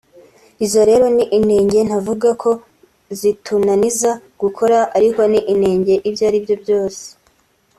Izo rero ni inenge ntavuga ko zitunaniza gukora ariko ni inenge ibyo ari byo byose